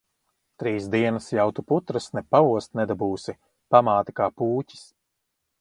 Trīs dienas jau tu putras ne paost nedabūsi. Pamāte kā pūķis.